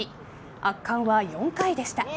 圧巻は４回でした。